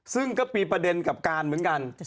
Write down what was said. ซึ่งก็มีประเด็นกับการเหมือนกัน